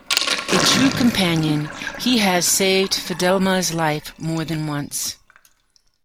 A true companion, he has saved Fidelma's life more than once.